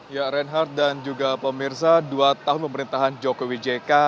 ya reinhardt dan juga pemirsa dua tahun pemerintahan jokowi jk